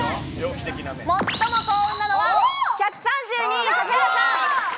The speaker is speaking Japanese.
最も幸運なのは１３２位、指原さん。